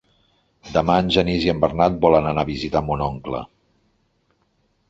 Demà en Genís i en Bernat volen anar a visitar mon oncle.